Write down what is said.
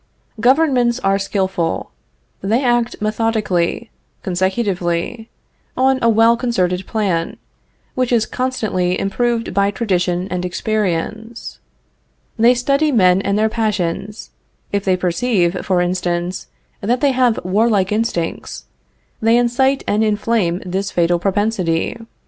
Governments are skillful. They act methodically, consecutively, on a well concerted plan, which is constantly improved by tradition and experience. They study men and their passions. If they perceive, for instance, that they have warlike instincts, they incite and inflame this fatal propensity.